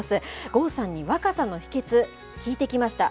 郷さんに若さの秘けつ、聞いてきました。